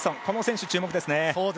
この選手、注目ですね。